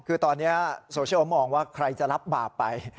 คือตอนนี้โซเชียลมองว่าใครจะรับบาปไป